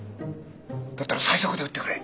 だったら最速で売ってくれ！